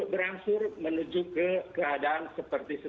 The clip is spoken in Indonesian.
beransur menuju ke keadaan seperti ini